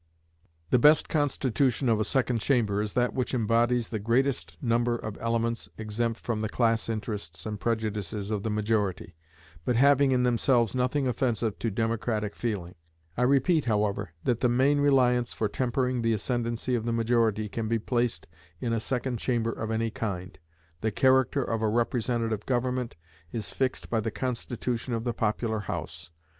The best constitution of a Second Chamber is that which embodies the greatest number of elements exempt from the class interests and prejudices of the majority, but having in themselves nothing offensive to democratic feeling. I repeat, however, that the main reliance for tempering the ascendancy of the majority can be placed in a Second Chamber of any kind. The character of a representative government is fixed by the constitution of the popular House.